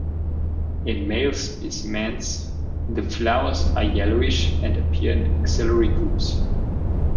In male specimens, the flowers are yellowish and appear in axillary groups.